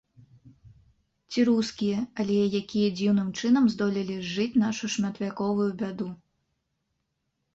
Ці рускія, але якія дзіўным чынам здолелі зжыць нашу шматвяковую бяду.